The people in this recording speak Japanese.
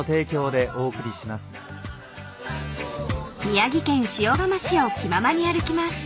［宮城県塩竈市を気ままに歩きます］